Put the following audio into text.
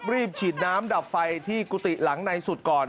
รีบฉีดน้ำดับไฟที่กุฏิหลังในสุดก่อน